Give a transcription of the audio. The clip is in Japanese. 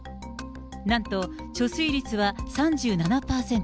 なんと貯水率は３７％。